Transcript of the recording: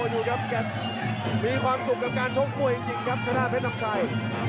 มีความสุขกับการชมคุยจริงครับเจ้าหน้าเพชรน้ำชัย